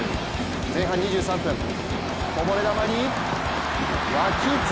前半２３分、こぼれ球に脇坂。